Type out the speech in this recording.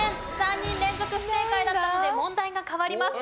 ３人連続不正解だったので問題が変わります。